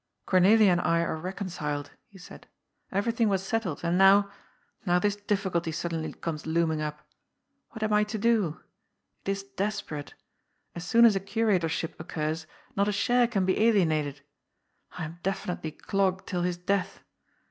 " Cornelia and I are reconciled," he said. '* Everything was settled, and now — now this difficulty suddenly comes looming up. What am I to do? It is desperate. As soon as a curatorship occurs, not a share can be alienated. I am definitely clogged till his death.